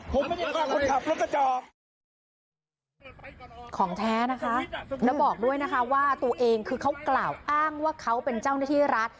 ผมขับรถกระจกของแท้นะคะแล้วบอกด้วยนะคะว่าตัวเองคือเขากล่าวอ้างว่าเขาเป็นเจ้าหน้าที่รัฐ